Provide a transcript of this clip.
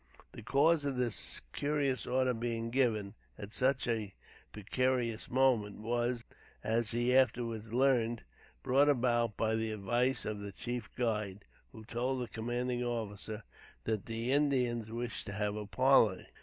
The cause of this curious order being given, at such a precarious moment, was, as he afterwards learned, brought about by the advice of the chief guide, who told the commanding officer that the Indians wished to have a parley.